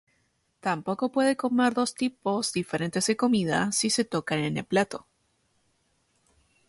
Tampoco puede comer dos tipos diferentes de comida si se tocan en el plato.